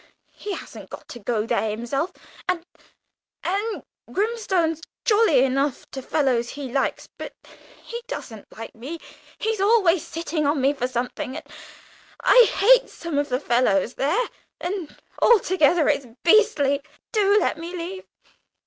He hasn't got to go there himself! And and Grimstone's jolly enough to fellows he likes, but he doesn't like me he's always sitting on me for something and I hate some of the fellows there, and altogether it's beastly. Do let me leave!